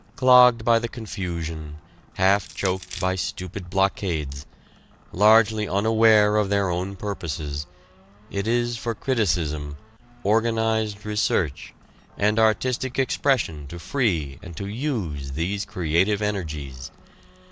Clogged by the confusion, half choked by stupid blockades, largely unaware of their own purposes, it is for criticism, organized research, and artistic expression to free and to use these creative energies.